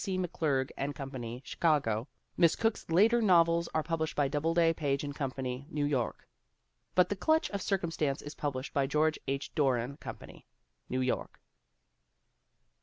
C. McClurg & Company, Chicago; Miss Cooke's later novels are published by Doubleday, Page & Company, New York; but The Clutch of Cir cumstance is published by George H. Doran Company, New York.